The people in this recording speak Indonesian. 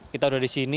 kita udah di sini